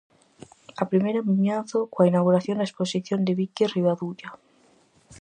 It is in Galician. A primeira en Vimianzo, coa inauguración da exposición de Viki Rivadulla.